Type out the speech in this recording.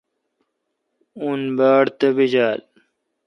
اون باڑ تپیجال۔